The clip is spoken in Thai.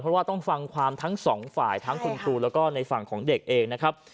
เพราะว่าต้องฟังความทั้งสองฝ่ายทั้งคุณครูแล้วก็ในฝั่งของเด็กเองนะครับ